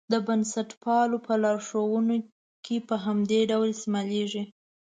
د بنسټپالو په لارښوونو کې په همدې ډول استعمالېږي.